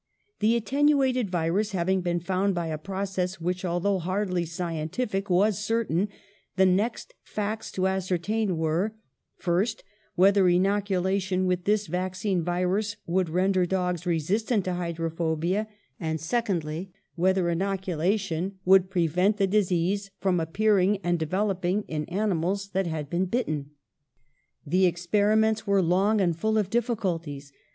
The attenuated virus having been found by a process which, although hardly scientific, was certain, the next facts to ascertain were : First, whether inoculation with this vaccine virus would render dogs resistant to hydrophobia; and, secondly, whether inoculation would pre HYDROPHOBIA 167 vent the disease from appearing and developing in animals that had been bitten. The experiments were long and full of diffi culties.